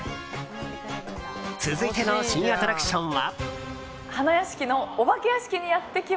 続いての新アトラクションは。